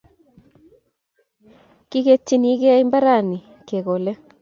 Kiketchinigei mbarani kekole